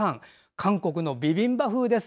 韓国のビビンバ風です。